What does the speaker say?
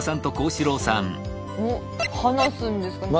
おっ話すんですか？